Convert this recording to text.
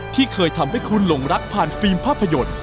ที่เคยทำให้คุณหลงรักผ่านฟิล์มภาพยนตร์